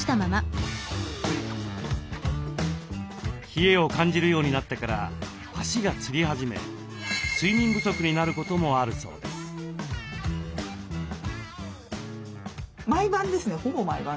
冷えを感じるようになってから足がつりはじめ睡眠不足になることもあるそうです。